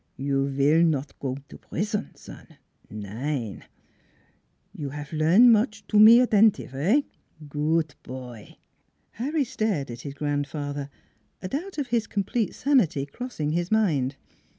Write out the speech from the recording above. " You vill not go to prison, son! Nem! You haf learn much to me addentive heh? Goot poy!" Harry stared at his grandfather, a doubt of his complete sanity crossing his mind.